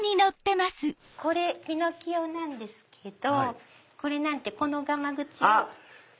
これピノキオなんですけどこれなんてこのがまぐちを。